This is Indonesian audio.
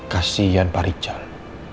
kasian pak rijal